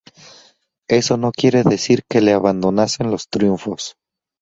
Eso no quiere decir que le abandonasen los triunfos.